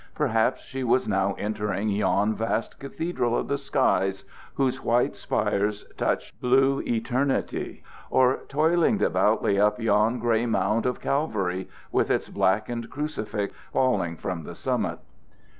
Perhaps she was now entering yon vast cathedral of the skies, whose white spires touched blue eternity; or toiling devoutly up yon gray mount of Calvary, with its blackened crucifix falling from the summit.